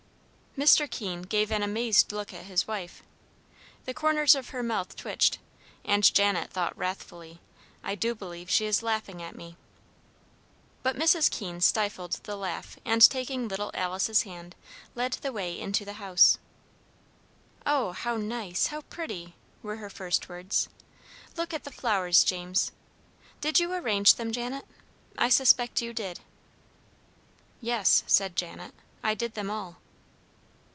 Mr. Keene gave an amazed look at his wife. The corners of her mouth twitched, and Janet thought wrathfully, "I do believe she is laughing at me!" But Mrs. Keene stifled the laugh, and, taking little Alice's hand, led the way into the house. "Oh, how nice, how pretty!" were her first words. "Look at the flowers, James! Did you arrange them, Janet? I suspect you did." "Yes," said Janet; "I did them all."